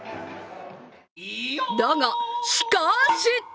だが、しかし！